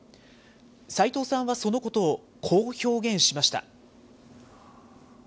齋藤さんはそのことをこう表現しました。